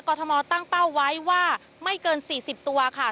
ทมตั้งเป้าไว้ว่าไม่เกิน๔๐ตัวค่ะ